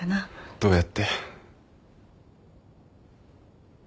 どうやって？